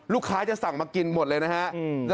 ลูกค้าจะสั่งมากินหมดเลยนะครับ